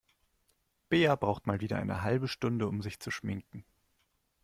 Bea braucht mal wieder eine halbe Stunde, um sich zu schminken.